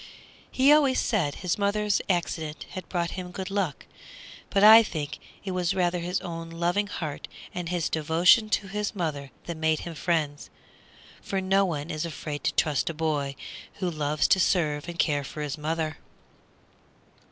He always said his mother's accident had brought him good luck, but I think it was rather his own loving heart and his devotion to his mother that made him friends. For no one is afraid to trust a boy who loves to serve and care for his mother.